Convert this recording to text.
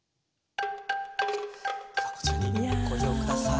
さあこちらにご移動下さい。